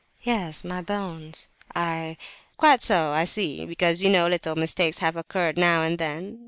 "Yes, my bones, I—" "Quite so, I see; because, you know, little mistakes have occurred now and then.